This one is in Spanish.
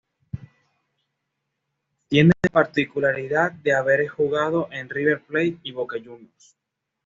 Tiene la particularidad de haber jugado en River Plate y Boca Juniors.